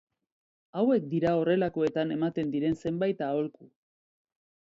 Hauek dira horrelakoetan ematen diren zenbait aholku.